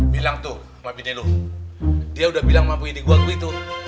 bilang tuh sama bini lu dia udah bilang mampu ini gua aku itu